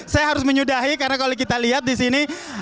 saya harus menyudahi karena kalau kita lihat di sini